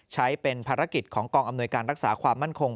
ใช้เป็นภารกิจของกองอำนวยการรักษาความมั่นคง